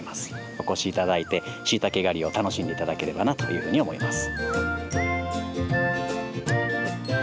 お越しいただいてしいたけ狩りを楽しんでいただければというふうに思います。